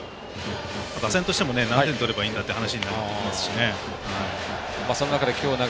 打線としても何点取ればいいんだって話になりますからね。